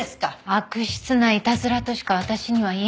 悪質ないたずらとしか私には言えません。